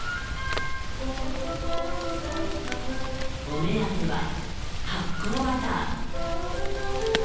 お目当ては発酵バター。